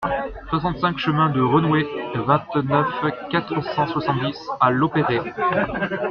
soixante-cinq chemin de Reunouet, vingt-neuf, quatre cent soixante-dix à Loperhet